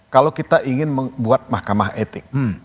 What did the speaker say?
kalau kita ingin membuat mahkamah etik